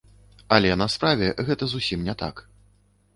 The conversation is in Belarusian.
Але на справе гэта зусім не так.